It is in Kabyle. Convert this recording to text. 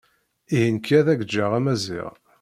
Ihi nekki ad ak-ǧǧeɣ a Maziɣ.